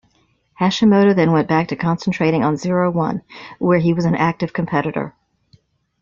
Hashimoto then went back to concentrating on Zero-One, where he was an active competitor.